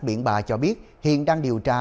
biển bà cho biết hiện đang điều tra